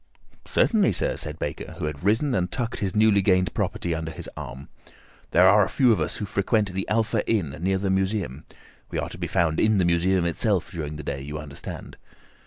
"Certainly, sir," said Baker, who had risen and tucked his newly gained property under his arm. "There are a few of us who frequent the Alpha Inn, near the Museum—we are to be found in the Museum itself during the day, you understand.